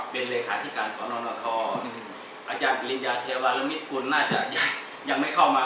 เป็นเลยค้าที่การสอนอนอทออาจารย์กริญญาเทวารมิตรกุลน่าจะยังไม่เข้ามา